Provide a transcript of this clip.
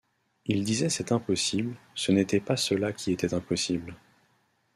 Ils disaient c’est impossible ; ce n’était pas cela qui était impossible.